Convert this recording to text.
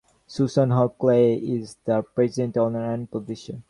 Susan Hogue Clay is the present owner and publisher.